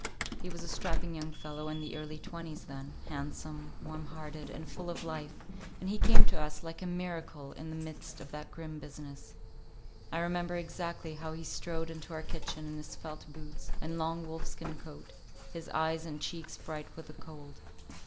He was a strapping young fellow in the early twenties then, handsome, warm hearted, and full of life, and he came to us like a miracle in the midst of that grim business. I remember exactly how he strode into our kitchen in his felt boots and long wolfskin coat, his eyes and cheeks bright with the cold.